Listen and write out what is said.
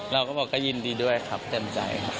เราก็บอกก็ยินดีด้วยครับเต็มใจครับ